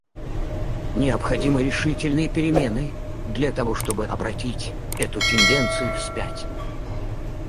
Необходимы решительные перемены, для того чтобы обратить эту тенденцию вспять.